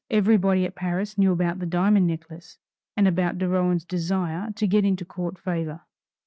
Everybody at Paris knew about the Diamond Necklace, and about de Rohan's desire to get into court favor.